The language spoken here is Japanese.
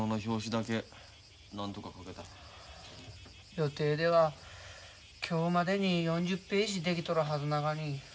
予定では今日までに４０ページ出来とるはずながに。